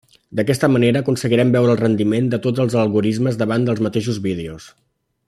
D'aquesta manera aconseguirem veure el rendiment de tots els algorismes davant els mateixos vídeos.